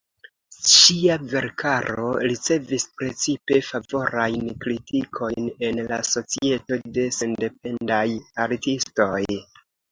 Ŝia verkaro ricevis precipe favorajn kritikojn en la Societo de Sendependaj Artistoj.